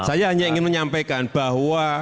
saya hanya ingin menyampaikan bahwa